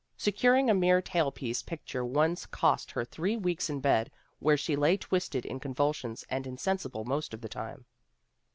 Securing a mere tailpiece picture once cost her three weeks in bed where she lay twisted in con vulsions and insensible most of the time.